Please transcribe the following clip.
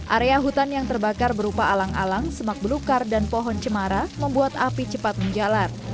area hutan yang terbakar berupa alang alang semak belukar dan pohon cemara membuat api cepat menjalar